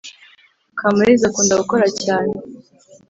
Kamaliza akunda gukora cyane